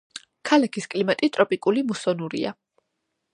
ქალაქის კლიმატი ტროპიკული მუსონურია.